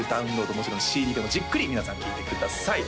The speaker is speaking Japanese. もちろんＣＤでもじっくり皆さん聴いてください